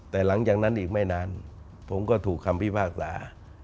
แต่หลังจากนั้นอีกไม่นานผมก็ถูกคำพิพากษา